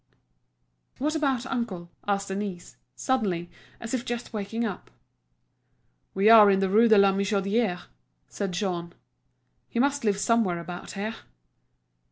"What about uncle?" asked Denise, suddenly, as if just waking up. "We are in the Rue de la Michodière," said Jean. "He must live somewhere about here."